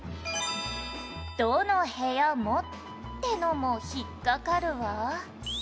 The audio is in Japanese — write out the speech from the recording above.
「“どの部屋も”ってのも引っかかるわ」